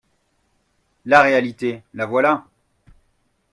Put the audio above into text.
La réalité, la voilà.